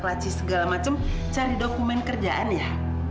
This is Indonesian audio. laci segala macem cari dokumen kerjaan ya